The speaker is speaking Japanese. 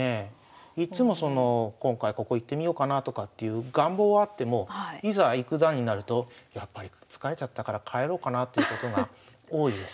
いっつもその今回ここ行ってみようかなとかっていう願望はあってもいざ行く段になるとやっぱり疲れちゃったから帰ろうかなっていうことが多いですね。